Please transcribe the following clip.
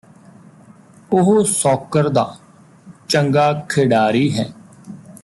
ਉਹ ਸੌਕਰ ਦਾ ਚੰਗਾ ਖਿਡਾਰੀ ਹੈ